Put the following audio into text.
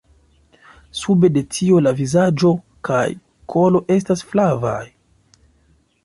Sube de tio la vizaĝo kaj kolo estas flavaj.